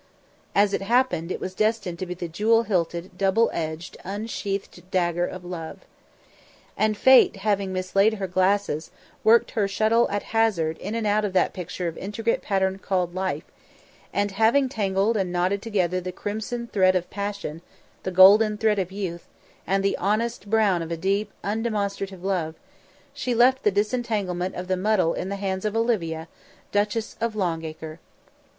As it happened, it was destined to be the jewel hilted, double edged, unsheathed dagger of love. And Fate, having mislaid her glasses, worked her shuttle at hazard in and out of that picture of intricate pattern called Life, and having tangled and knotted together the crimson thread of passion, the golden thread of youth and the honest brown of a deep, undemonstrative love, she left the disentanglement of the muddle in the hands of Olivia, Duchess of Longacres.